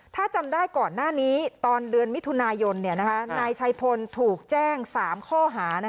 ถ้าจำได้ก่อนหน้านี้ตอนเดือนมิถุนายนนายชัยพลถูกแจ้ง๓ข้อหา